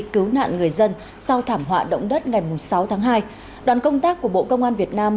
cứu nạn người dân sau thảm họa động đất ngày sáu tháng hai đoàn công tác của bộ công an việt nam